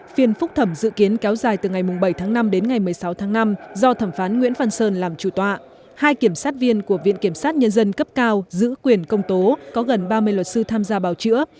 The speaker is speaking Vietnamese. phiên phúc thẩm dự kiến kéo dài từ ngày bảy tháng năm đến ngày một mươi sáu tháng năm do thẩm phán nguyễn phan sơn làm chủ tọa hai kiểm sát viên của viện kiểm sát nhân dân cấp cao giữ quyền công tố có gần ba mươi luật sư tham gia bào chữa